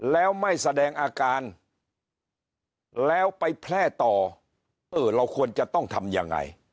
แล้วไม่แสดงอาการแล้วไปแพร่ต่อเออเราควรจะต้องทำยังไง